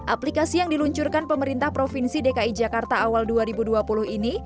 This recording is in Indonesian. aplikasi yang diluncurkan pemerintah provinsi dki jakarta awal dua ribu dua puluh ini